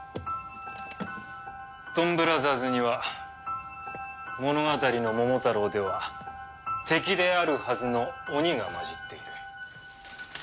ドンブラザーズには物語の『桃太郎』では敵であるはずのオニが交じっている。